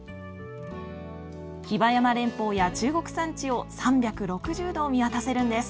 比婆山連峰や中国山地を３６０度見渡せるんです。